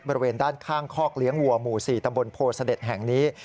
บริเวณด้านข้างคอกเลี้ยงวัวหมู่๔ตำบลโพเสด็จแห่งนี้